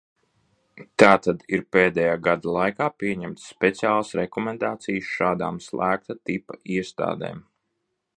Tātad ir pēdējā gada laikā pieņemtas speciālas rekomendācijas šādām slēgta tipa iestādēm.